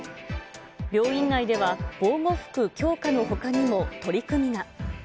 病院内では防護服強化のほかにも取り組みが。